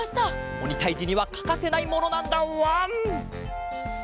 おにたいじにはかかせないものなんだわん！